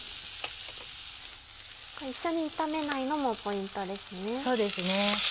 一緒に炒めないのもポイントですね。